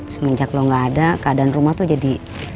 semenjak lo gak ada keadaan rumah tuh jadi